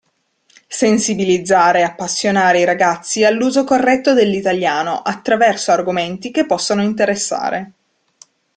Sensibilizzare e appassionare i ragazzi all'uso corretto dell'italiano, attraverso argomenti che possano interessare.